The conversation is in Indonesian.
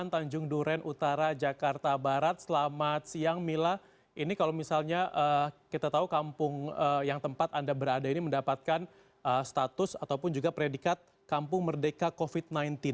yang akhirnya membuat kampung ini mendapat predikat kampung merdeka covid sembilan belas